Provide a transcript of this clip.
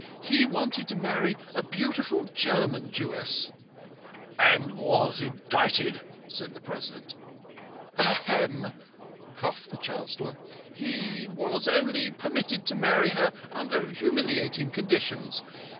" He wanted to marry a beautiful German Jewess." " And was interdicted," said the President. "Hem!" coughed the Chancellor. "He he was only permitted to marry her under humiliating conditions.